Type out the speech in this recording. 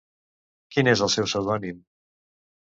Quin és el seu pseudònim?